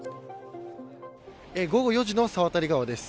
午後４時の猿渡川です。